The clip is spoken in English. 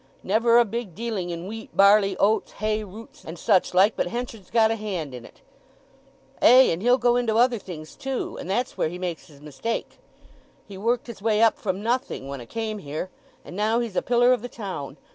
Never a big dealing in wheat, barley, oats, hay, roots, and such like but Henchard's got a hand in it. Ay, and he'll go into other things too; and that's where he makes his mistake. He worked his way up from nothing when 'a came here; and now he's a pillar of the town.